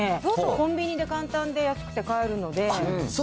コンビニで簡単で安くて買えるので。